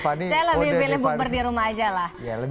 saya lebih pilih bukber di rumah aja lah